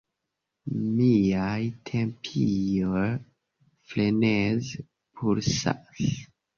Miaj tempioj freneze pulsas.